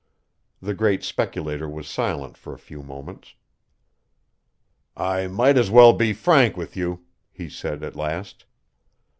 The great speculator was silent for a few moments. "I might as well be frank with you," he said at last.